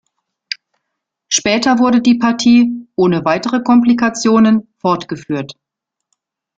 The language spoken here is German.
Später wurde die Partie, ohne weitere Komplikationen, fortgeführt.